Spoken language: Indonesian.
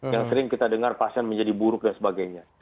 yang sering kita dengar pasien menjadi buruk dan sebagainya